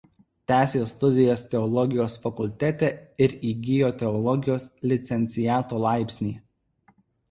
Tęsė studijas teologijos fakultete ir įgijo teologijos licenciato laipsnį.